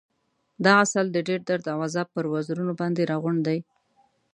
دا عسل د ډېر درد او عذاب پر وزرونو باندې راغونډ دی.